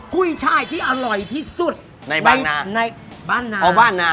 กุ้ยช่ายที่อร่อยที่สุดในบ้านนาอ๋อบ้านนา